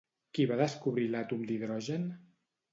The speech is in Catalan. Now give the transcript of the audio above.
Qui va descobrir l'àtom d'hidrogen?